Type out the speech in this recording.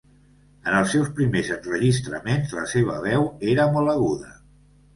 En els seus primers enregistraments, la seva veu era molt aguda.